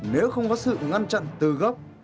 nếu không có sự ngăn chặn từ gốc